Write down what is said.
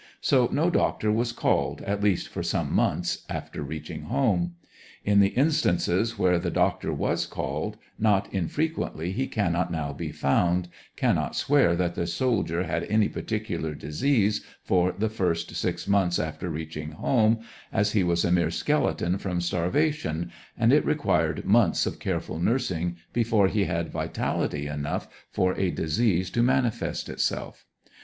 So no doctor was called, at least for some months after reaching home. In the instances where the doc tor was called, not infrequently he cannot now be found, cannot swear that the soldier had any particular disease for the first six months after reaching home, as he was a mere skeleton from starva tion, and it required months of careful nursing before he had vitality enough for a disease to manifest itself.